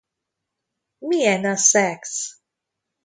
Milyen a szex?